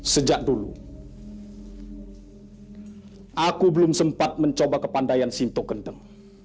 sejak dulu aku belum sempat mencoba kepandaian sinto kendeng